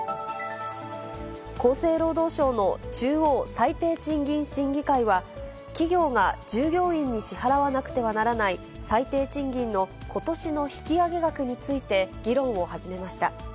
厚生労働省の中央最低賃金審議会は、企業が従業員に支払わなくてはならない、最低賃金のことしの引き上げ額について議論を始めました。